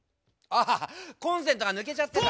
あコンセントが抜けちゃってた。